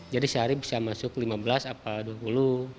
jadi sehari bisa masuk lima belas apa dua puluh